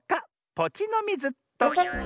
ポチのミズっと。